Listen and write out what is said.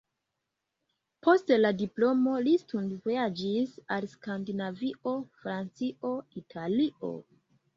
Post la diplomo li studvojaĝis al Skandinavio, Francio, Italio.